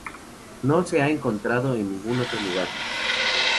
No se ha encontrado en ningún otro lugar.